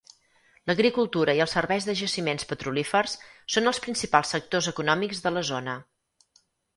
L'agricultura i els serveis de jaciments petrolífers són els principals sectors econòmics de la zona.